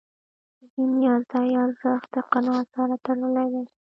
د بېنیازۍ ارزښت د قناعت سره تړلی دی.